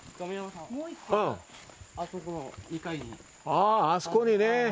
ああ、あそこにね。